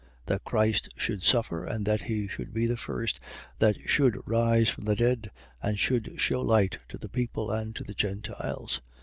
That Christ should suffer and that he should be the first that should rise from the dead and should shew light to the people and to the Gentiles.